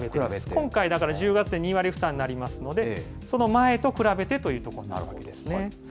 今回だから１０月に２割負担になりますので、その前と比べてというところになるわけですね。